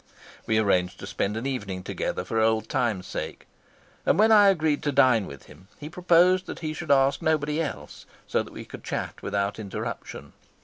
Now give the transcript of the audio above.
We arranged to spend an evening together for old time's sake, and when I agreed to dine with him, he proposed that he should ask nobody else, so that we could chat without interruption.